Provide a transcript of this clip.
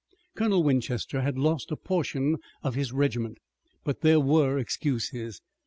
Colonel Winchester had lost a portion of his regiment, but there were excuses.